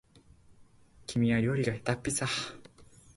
君は料理がへたっぴさ